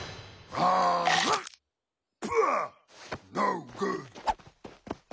あっ！